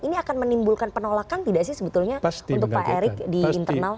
ini akan menimbulkan penolakan tidak sih sebetulnya untuk pak erick di internal